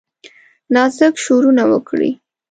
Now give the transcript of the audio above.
نازک شورونه وکړي